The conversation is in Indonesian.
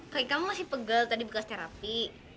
kayak kamu masih pegal tadi bekas terapi